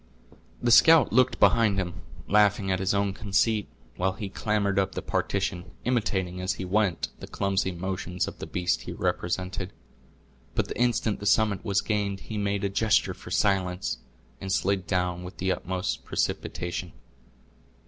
The scout looked behind him, laughing at his own conceit, while he clambered up the partition, imitating, as he went, the clumsy motions of the beast he represented; but the instant the summit was gained he made a gesture for silence, and slid down with the utmost precipitation.